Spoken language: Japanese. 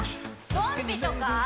ゾンビとか？